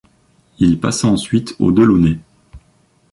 Il passa ensuite aux de Launay.